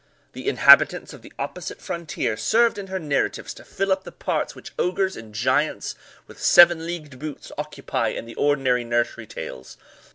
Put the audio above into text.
The inhabitants of the opposite frontier served in her narratives to fill up the parts which ogres and giants with seven leagued boots occupy in the ordinary nursery tales.